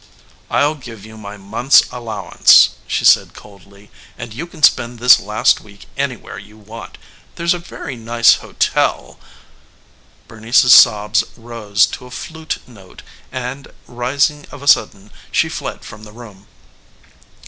"I'll give you my month's allowance," she said coldly, "and you can spend this last week anywhere you want. There's a very nice hotel " Bernice's sobs rose to a flute note, and rising of a sudden she fled from the room.